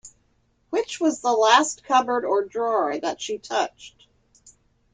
Which was the last cupboard or drawer that she touched?